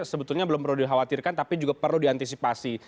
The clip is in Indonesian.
sebetulnya belum perlu dikhawatirkan tapi juga perlu diantisipasi